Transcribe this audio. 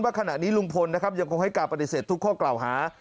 ว่าขณะนี้ลุงพลยังคงให้การปฏิเสธทุกข้อกล่าวหา